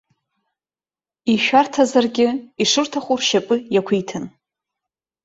Ишәарҭазаргьы, ишырҭаху ршьапы иақәиҭын.